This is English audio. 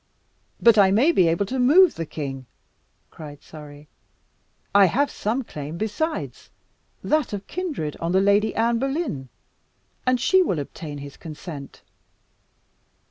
"But I may be able to move the king," cried Surrey. "I have some claim besides that of kindred on the Lady Anne Boleyn and she will obtain his consent."